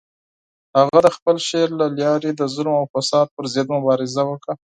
هغه د خپل شعر له لارې د ظلم او فساد پر ضد مبارزه وکړه.